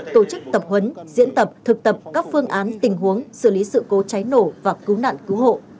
tổ chức tập huấn diễn tập thực tập các phương án tình huống xử lý sự cố cháy nổ và cứu nạn cứu hộ